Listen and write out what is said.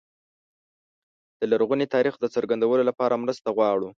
د لرغوني تاریخ د څرګندولو لپاره مرسته وغواړو.